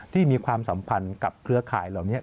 มีความสัมพันธ์กับเครือข่ายเหล่านี้